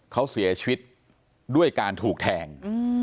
เขาเสียชีวิตด้วยการถูกแทง